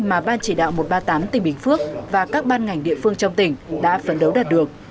mà ban chỉ đạo một trăm ba mươi tám tỉnh bình phước và các ban ngành địa phương trong tỉnh đã phấn đấu đạt được